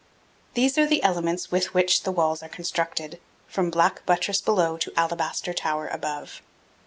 These are the elements with which the walls are constructed, from black buttress below to alabaster tower above.